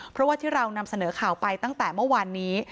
เพราะว่าที่เรานำเสนอข่าวไปตั้งแต่เมื่อวานนี้